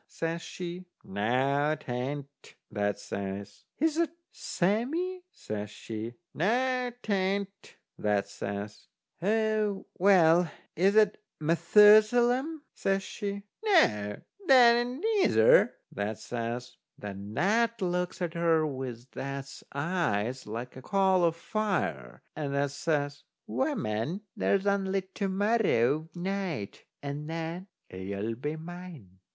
says she. "Noo, 'tain't," that says. "Is that Sammee?" says she. "Noo, 'tain't," that says. "A well, is that Methusalem?" says she. "Noo, 'tain't that neither," that says. Then that looks at her with that's eyes like a coal o' fire, and that says: "Woman, there's only to morrow night, and then you'll be mine!"